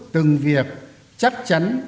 từng việc chắc chắn